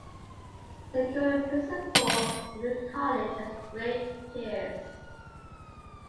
The current principal of the college is Greg Pierce.